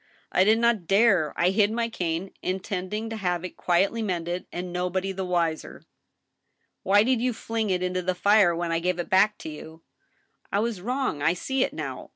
I did not dare. I hid my cane, in tending to have it quietly mended, and nobody the wiser." " Why did you fling it into the fire when I gave it back to you ?"" I was wrong. I see it now.